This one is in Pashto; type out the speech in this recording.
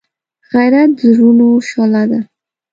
غیرت د زړونو شعله ده